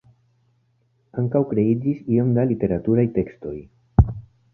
Ankaŭ kreiĝis iom da literaturaj tekstoj.